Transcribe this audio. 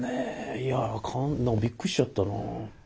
いやびっくりしちゃったなあ。